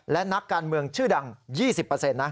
และนักการเมืองชื่อดัง๒๐นะ